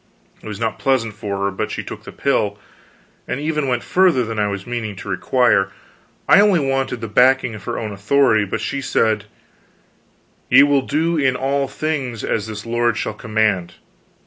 It was not pleasant for her, but she took the pill; and even went further than I was meaning to require. I only wanted the backing of her own authority; but she said: "Ye will do in all things as this lord shall command.